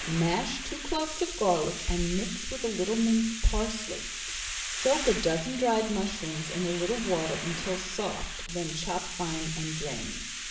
Mash two cloves of garlic and mix with a little minced parsley. Soak a dozen dried mushrooms in a little water until soft, then chop fine and drain.